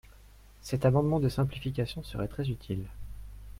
Cet amendement de simplification serait très utile.